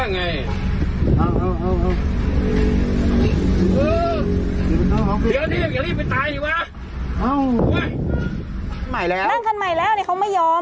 มันขึ้นใกล้แล้วนั่งคันใหม่แล้วเขาไม่ยอม